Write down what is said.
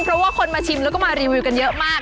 เพราะว่าคนมาชิมแล้วก็มารีวิวกันเยอะมาก